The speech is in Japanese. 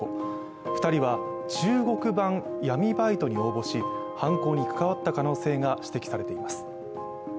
２人は中国版闇バイトに応募し犯行に関わった可能性が指摘されています。